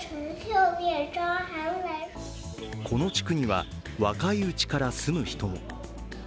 この地区には若いうちから住む人も。